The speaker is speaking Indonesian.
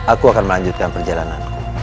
aku akan melanjutkan perjalananku